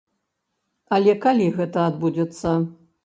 Але калі гэта адбудзецца?